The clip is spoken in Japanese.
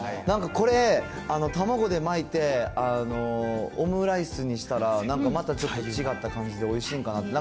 なんかこれ、卵で巻いてオムライスにしたら、なんかまたちょっと違った感じでおいしいんかな。